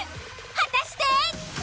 果たして。